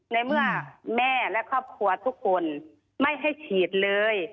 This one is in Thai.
ในเมื่อแม่และครอบครัวทุกคนไม่ให้ฉีดเลย